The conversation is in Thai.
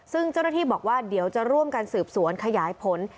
ซึ่งเจ้าหน้าที่บอกว่าเดี๋ยวจะร่วมกันสืบสวนขยายผล